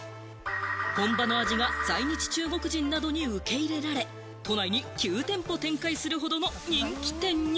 本場の味が在日中国人などに受け入れられ、都内に９店舗展開するほどの人気店に。